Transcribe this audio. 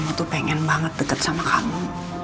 aku tuh pengen banget deket sama kamu